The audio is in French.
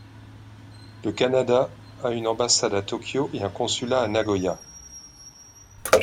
Le Canada a une ambassade à Tokyo et un consulat à Nagoya.